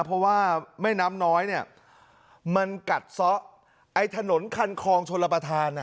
เพราะว่าแม่น้ำน้อยเนี่ยมันกัดซะไอ้ถนนคันคลองชนระประธานอ่ะ